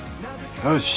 よし！